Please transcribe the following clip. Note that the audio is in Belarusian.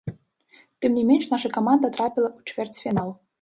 Тым не менш наша каманда трапіла ў чвэрцьфінал.